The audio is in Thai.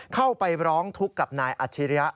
เข้าไปร้องทุกข์กับนายอัจฉริยะ